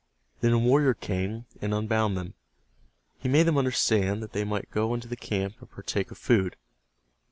Then a warrior came, and unbound them. He made them understand that they might go into the camp, and partake of food.